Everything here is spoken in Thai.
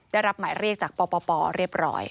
ได้รับหมายเรียกจากปปเรียบร้อย